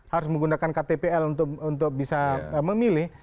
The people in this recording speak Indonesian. harus menggunakan ktpl untuk bisa memilih